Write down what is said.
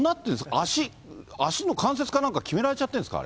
足、足の関節かなんか決められちゃってるんですか？